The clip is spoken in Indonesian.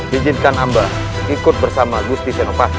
bijinkan amba ikut bersama gusti senopati